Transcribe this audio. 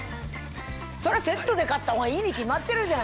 そりゃセットで買ったほうがいいに決まってるじゃん。